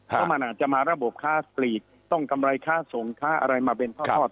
เพราะมันอาจจะมาระบบค้าปลีกต้องกำไรค้าส่งค้าอะไรมาเป็นทอด